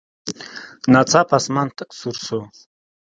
ناڅاپه اسمان تک تور شو.